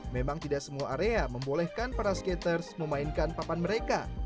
memang tidak semua area membolehkan para skaters memainkan papan mereka